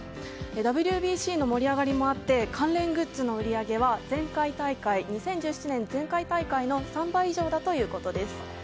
ＷＢＣの盛り上がりもあって関連グッズの売り上げは２０１７年、前回大会の３倍以上だということです。